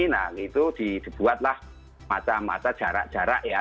nah gitu dibuatlah mata mata jarak jarak ya